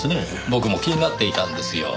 僕も気になっていたんですよ。